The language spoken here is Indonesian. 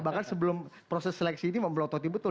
bahkan sebelum proses seleksi ini membelototi betul